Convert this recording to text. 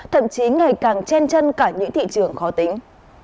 thậm chí ngày càng chen chân cả những thị trường khó tính